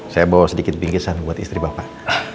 saya bawa sedikit bingkisan buat istri bapak